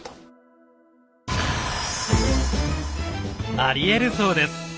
ありえるそうです。